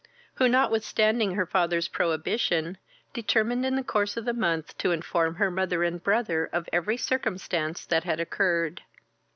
who, notwithstanding her father's prohibition, determined in the course of the month to inform her mother and brother of every circumstance that had occurred.